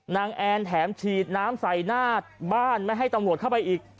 แอนแถมฉีดน้ำใส่หน้าบ้านไม่ให้ตำรวจเข้าไปอีก